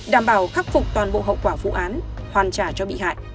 đảm bảo khắc phục toàn bộ hậu quả vụ án hoàn trả cho bị hại